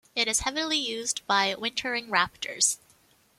It is heavily used by wintering raptors.